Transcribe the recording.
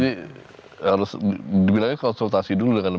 ini harus dibilangnya konsultasi dulu kan